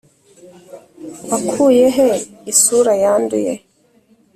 wakuye he isura yanduye,